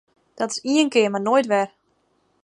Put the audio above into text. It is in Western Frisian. Dat is ien kear mar noait wer!